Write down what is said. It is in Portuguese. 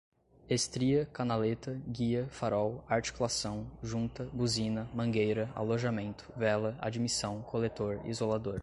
estria, canaleta, guia, farol, articulação, junta, buzina, mangueira, alojamento, vela, admissão, coletor, isolador